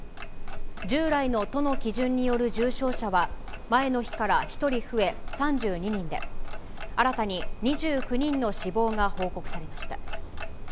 従来の都の基準による重症者は、前の日から１人増え３２人で、新たに２９人の死亡が報告されました。